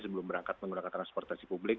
sebelum berangkat menggunakan transportasi publik